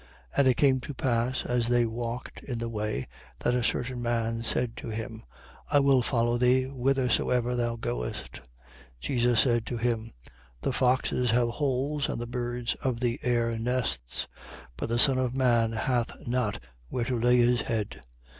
9:57. And it came to pass, as they walked in the way, that a certain man said to him: I will follow thee whithersoever thou goest. 9:58. Jesus said to him: The foxes have holes, and the birds of the air nests: but the Son of man hath not where to lay his head.